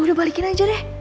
udah balikin aja deh